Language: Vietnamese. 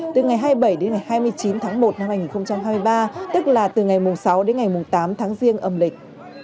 từ ngày hai mươi bảy đến ngày hai mươi chín tháng một năm hai nghìn hai mươi ba tức là từ ngày sáu đến ngày tám tháng riêng âm lịch